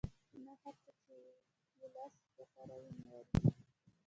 نه هر څه چې وولس وکاروي معیاري دي.